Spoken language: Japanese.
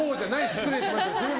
失礼しました。